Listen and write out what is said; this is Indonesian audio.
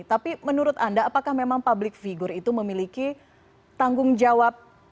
tapi menurut anda apakah memang public figure itu memiliki tanggung jawab